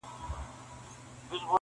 د عقاب په آشيانوکي -